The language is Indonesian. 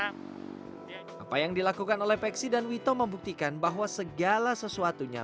apa yang dilakukan oleh peksi dan wito membuktikan bahwa segala sesuatunya